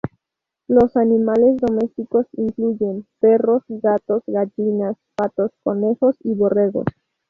Los animales domesticados incluyen perros, gatos, gallinas, patos, conejos y borregos.